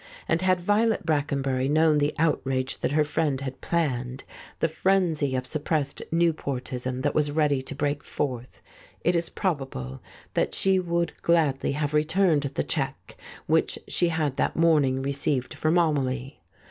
And had Violet Brackenbury known the outrage that her friend had planned, the frenzy of suppressed Newportism that was ready to break forth, it is probable that she would gladly have returned the cheque which she had that morning received from Amelie.